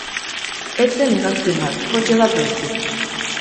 Ez zen hegazkin bat, kotxe bat baizik.